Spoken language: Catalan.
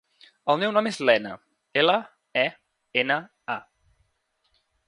El meu nom és Lena: ela, e, ena, a.